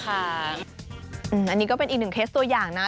อันนี้ก็เป็นอีกหนึ่งเคสตัวอย่างนะ